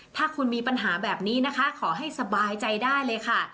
ถ้าคุณมีปัญหาแบบนี้นะคะขอให้สบายใจได้เลยค่ะ